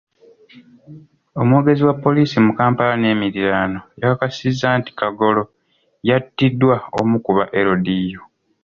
Omwogezi wa poliisi mu Kampala n'emiriraano, yakakasizza nti Kagolo yattiddwa omu ku ba LDU .